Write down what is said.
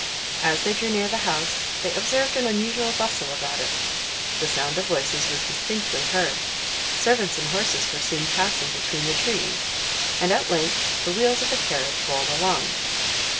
As they drew near the house, they observed an unusual bustle about it; the sound of voices was distinctly heard, servants and horses were seen passing between the trees, and, at length, the wheels of a carriage rolled along.